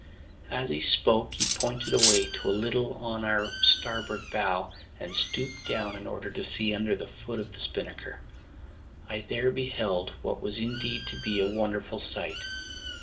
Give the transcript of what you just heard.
As he spoke he pointed away to a little on our starboard bow, and stooping down in order to see under the foot of the spinnaker, I there beheld what was indeed to me a wonderful sight.